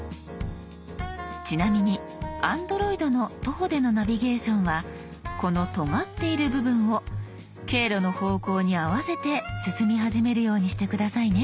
ちなみにＡｎｄｒｏｉｄの徒歩でのナビゲーションはこのとがっている部分を経路の方向に合わせて進み始めるようにして下さいね。